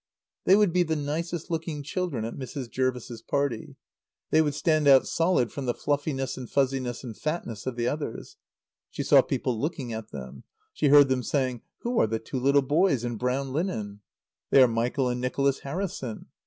They would be the nicest looking children at Mrs. Jervis's party. They would stand out solid from the fluffiness and fuzziness and fatness of the others. She saw people looking at them. She heard them saying: "Who are the two little boys in brown linen?" "They are Michael and Nicholas Harrison."